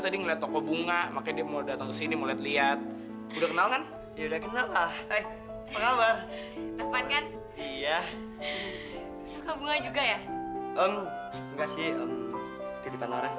enggak sih di depan orang